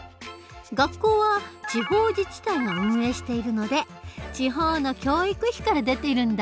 学校は地方自治体が運営しているので地方の教育費から出てるんだ。